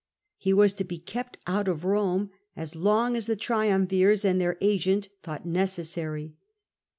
He was to be kept out of Rome as long as the triumvirs and their agent thought necessary.